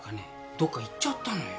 どっか行っちゃったのよ。